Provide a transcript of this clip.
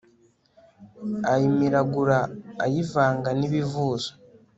ayimiragura ayivanga n' ibivuzo